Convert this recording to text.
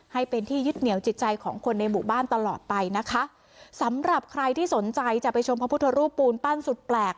ให้เป็นที่ยึดเหนียวจิตใจของคนในหมู่บ้านตลอดไปนะคะสำหรับใครที่สนใจจะไปชมพระพุทธรูปปูนปั้นสุดแปลก